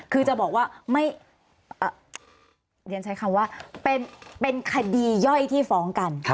คือจะบอกว่าเรียนใช้คำว่าเป็นคดีย่อยที่ฟ้องกัน